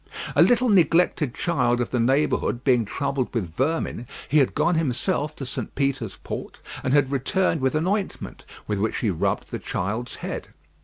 A little neglected child of the neighbourhood being troubled with vermin, he had gone himself to St. Peter's Port, and had returned with an ointment, with which he rubbed the child's head.